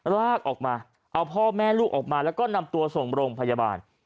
ลากออกมาเอาพ่อแม่ลูกออกมาแล้วก็นำตัวส่งโรงพยาบาล